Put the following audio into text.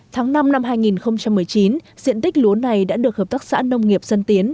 tháng năm năm hai nghìn một mươi chín diện tích lúa này đã được hợp tác xã nông nghiệp dân tiến